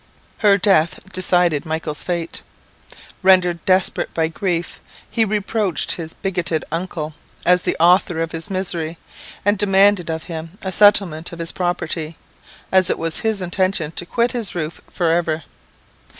"Her death decided Michael's fate. Rendered desperate by grief, he reproached his bigoted uncle as the author of his misery, and demanded of him a settlement of his property, as it was his intention to quit his roof for ever.